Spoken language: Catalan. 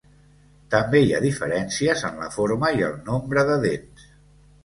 També hi ha diferències en la forma i el nombre de dents.